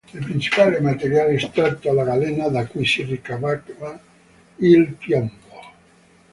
Il principale materiale estratto era galena da cui si ricavava il piombo.